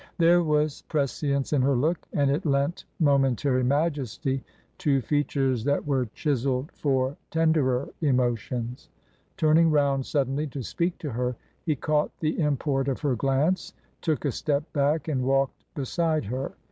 There was pre science in her look, and it lent momentary majesty to features that were chiselled for tenderer emotions. Turn ing round suddenly to speak to her, he caught the im port of her glance, took a step back, and walked beside her.